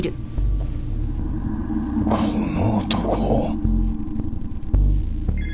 この男。